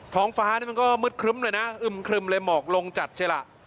ท้องฟ้านี่มันก็มืดครึ้มหน่อยนะอึมครึมเลยหมอกลงจัดใช่ล่ะ